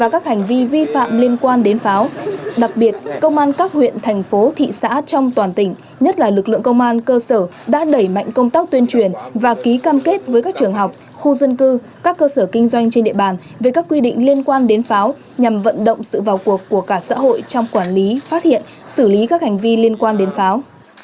công an các huyện thành phố thị xã trong toàn tỉnh nhất là lực lượng công an cơ sở đã đẩy mạnh công tác tuyên truyền và ký cam kết với các trường học khu dân cư các cơ sở kinh doanh trên địa bàn về các quy định liên quan đến pháo nhằm vận động sự vào cuộc của cả xã hội trong quản lý phát hiện xử lý các hành vi liên quan đến pháo